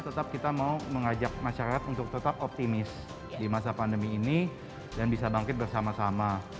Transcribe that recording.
tetap kita mau mengajak masyarakat untuk tetap optimis di masa pandemi ini dan bisa bangkit bersama sama